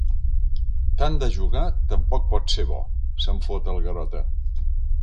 Tant de jugar tampoc pot ser bo —se'n fot el Garota.